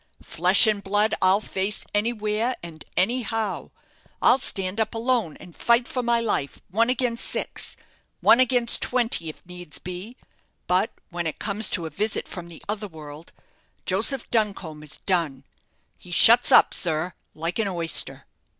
Flesh and blood I'll face anywhere and anyhow; I'll stand up alone, and fight for my life, one against six one against twenty, if needs be; but when it comes to a visit from the other world, Joseph Duncombe is done. He shuts up, sir, like an oyster."